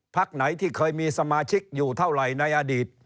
พักไหนที่เคยมีสมาชิกอยู่เท่าไหร่ในอดีต